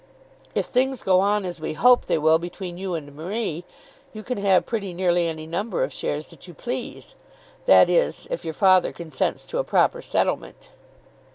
"If things go on as we hope they will between you and Marie, you can have pretty nearly any number of shares that you please; that is, if your father consents to a proper settlement."